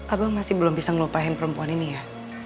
abang masih belum bisa ngelupain perempuan ini ya